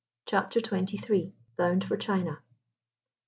CHAPTER TWENTY THREE. BOUND FOR CHINA.